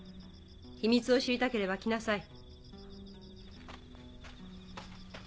秘密を知りたければ来なさい。